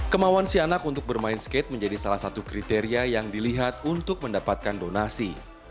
kemauan si anak untuk bermain skate menjadi salah satu kriteria yang dilihat untuk mendapatkan donasi